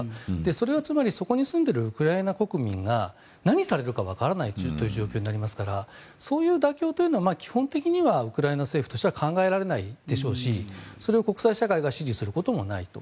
それはつまり、そこに住んでいるウクライナ国民が何されるわからないという状況になりますからそういう妥協は、基本的にはウクライナ政府としては考えられないでしょうしそれを国際社会が支持することもないと。